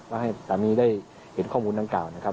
ว่าให้สามีได้เห็นข้อมูลดังกล่าวนะครับ